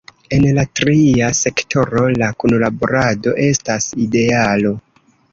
En la tria sektoro la kunlaborado estas idealo.